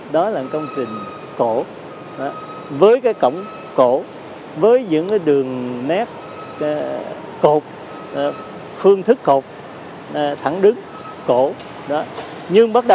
đó là công trình cổ với cái cổng cổ với những cái đường nét cột